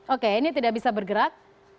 oke ini tidak bisa bergerak